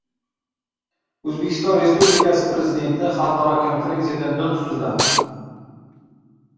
O‘zbekiston Respublikasi Prezidenti xalqaro konferensiyada nutq so‘zladi